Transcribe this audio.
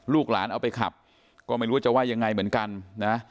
ลูกหลานเอาไปขับก็ไม่รู้ว่าจะว่ายังไงเหมือนกันนะ